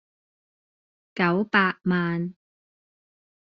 九百萬